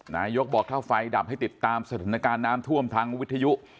นายกบอกถ้าไฟดับให้ติดตามสถานการณ์น้ำท่วมทางวิทยุ